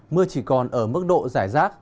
mưa chỉ còn ở mức độ giải rác